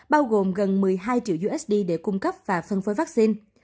bao gồm gần một mươi hai triệu usd để cung cấp và phân phối vaccine